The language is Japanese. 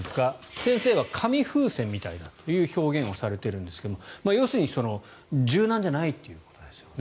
先生は紙風船みたいだという表現をされているんですが要するに柔軟じゃないということですね。